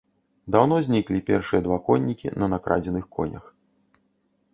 Даўно зніклі першыя два коннікі на накрадзеных конях.